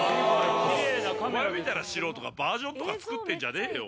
お前みたいな素人がバージョンとか作ってんじゃねえよ。